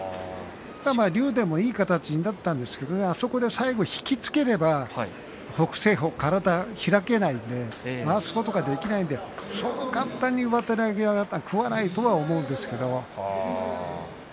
竜電もいい形だったんですけれど最後、引き付ければ北青鵬は体を開けないので回すことができないのでそう簡単に上手投げは食わないと思うんですけれど。